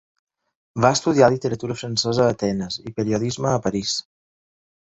Va estudiar literatura francesa a Atenes i periodisme a París.